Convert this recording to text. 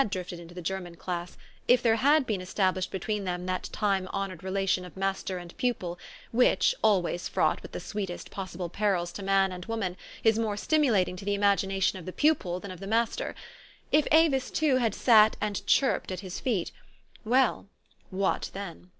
drifted into the German class ; if there had been established between them that time honored relation of master and pupil, which, always fraught with the sweetest possible perils to man and woman, is more stimulating to the imagination of the pupil than of the master ; if Avis, too, had sat and chirped at his feet, then well, what then?